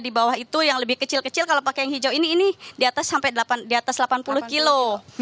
di bawah itu yang lebih kecil kecil kalau pakai yang hijau ini ini di atas sampai di atas delapan puluh kilo